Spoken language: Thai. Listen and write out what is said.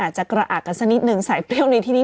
จะกระอักกันสักนิดนึงสายเปรี้ยวในที่นี่